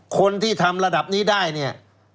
คนที่ทำระดับนี้ได้เนี่ย